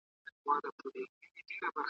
هر مضر له خپله اصله معلومیږي ,